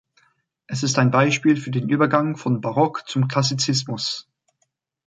Es ist ein Beispiel für den Übergang von Barock zum Klassizismus.